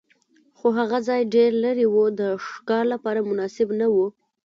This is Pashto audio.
خو هغه ځای ډېر لرې و، د ښکار لپاره مناسب نه و.